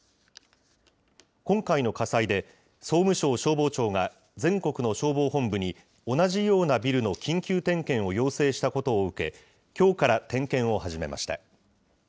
今回の火災で、総務省消防庁が全国の消防本部に、同じようなビルの緊急点検を要請したことを受け、きょうから点検を始めました。